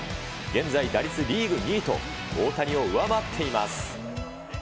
現在、打率リーグ２位と、大谷を上回っています。